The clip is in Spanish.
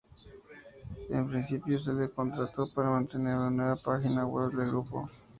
En principio se le contrató para mantener la nueva página web del grupo.